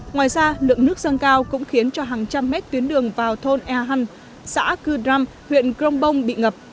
ngoài ra lượng nước sân cao cũng khiến cho hàng trăm mét tuyến đường vào thôn e hăn xã cư trăm huyện crong bông bị ngập